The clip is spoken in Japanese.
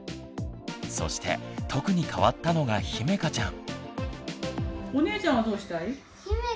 そして特に変わったのがひめかちゃん。